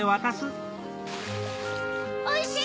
おいしい！